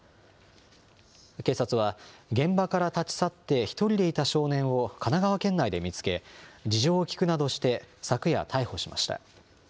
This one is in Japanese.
警察は、現場から立ち去って１人でいた少年を神奈川県内で見つけ、事情を聴くなどして、昨夜逮捕しました。